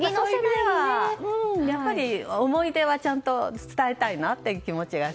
やっぱり思い出はちゃんと伝えたいなという気持ち。